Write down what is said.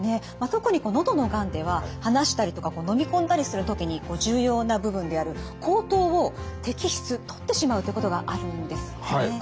特に喉のがんでは話したりとか飲み込んだりする時に重要な部分である喉頭を摘出取ってしまうということがあるんですよね。